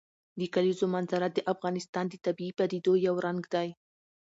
د کلیزو منظره د افغانستان د طبیعي پدیدو یو رنګ دی.